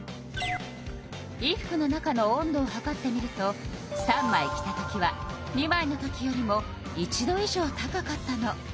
衣服の中の温度をはかってみると３枚着たときは２枚のときよりも１度以上高かったの。